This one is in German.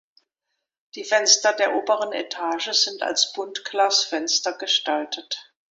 Die Fenster der oberen Etage sind als Buntglasfenster gestaltet.